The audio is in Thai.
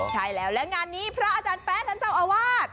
ใช่แล้วและงานนี้พระอาจารย์แป๊ะท่านเจ้าอาวาส